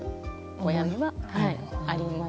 親のはあります。